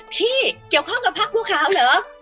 พี่เกี่ยวข้องกับภาคพวกขาวเหรอ